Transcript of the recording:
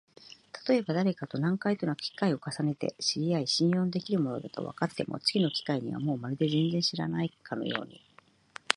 たとえばだれかと何回となく機会を重ねて知り合い、信用のできる者だとわかっても、次の機会にはもうまるで全然知らないかのように、